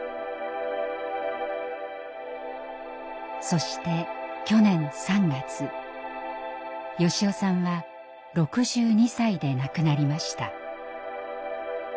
そして去年３月良雄さんは６２歳で亡くなりました。